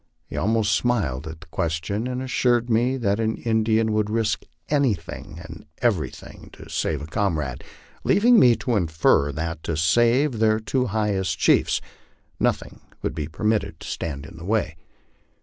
He almost smiled at the question, and assured me that an Indian would risk everything to save a comrade, leaving me to infer that to save their two highest chiefs nothing would be permitted to stand in the way.